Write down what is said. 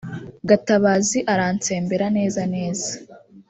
Gatabazi arantsembera neza neza